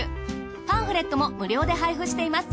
パンフレットも無料で配布しています。